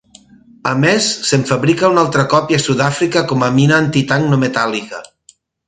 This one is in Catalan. A més, se'n fabrica una altra còpia a Sudàfrica com a "Mina antitanc no metàl·lica".